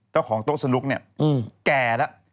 เจ้าของโต๊ะสนุกเนี่ยแก่แล้ว